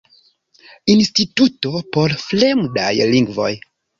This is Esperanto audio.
Instituto por fremdaj lingvoj.